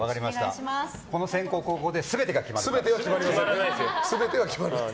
この先攻、後攻で全ては決まりません。